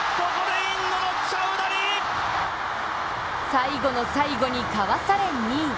最後の最後にかわされ２位。